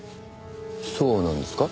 そうなんですか？